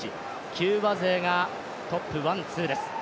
キューバ勢がトップ、ワン・ツーです。